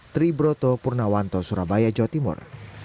tri broto purnawanto surabaya jawa timur